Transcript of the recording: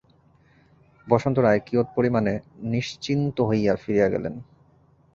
বসন্ত রায় কিয়ৎ পরিমাণে নিশ্চিন্ত হইয়া ফিরিয়া গেলেন।